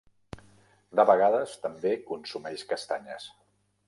De vegades també consumeix castanyes.